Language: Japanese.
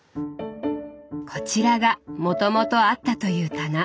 こちらがもともとあったという棚。